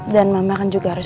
dan mama kan juga harus